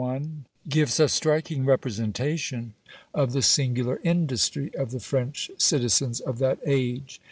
261, gives a striking representation of the singular industry of the French citizens of that age.